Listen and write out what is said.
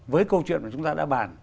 với câu chuyện mà chúng ta đã bàn